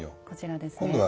こちらですね。